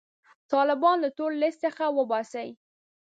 طالبان له تور لیست څخه وباسي.